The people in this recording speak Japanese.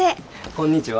こんにちは。